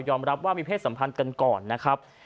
รับว่ามีเพศสัมพันธ์กันก่อนนะครับ